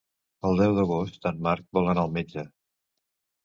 El deu d'agost en Marc vol anar al metge.